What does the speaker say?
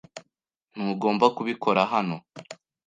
Ntugomba kubikora hano.